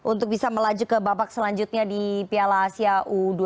untuk bisa melaju ke babak selanjutnya di piala asia u dua puluh